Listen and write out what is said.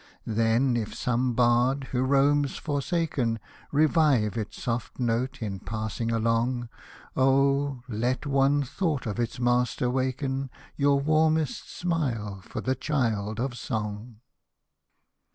Then if some bard, who roams forsaken, Revive its soft note in passing along. Oh ! let one thought of its master waken Your warmest smile for the child of song.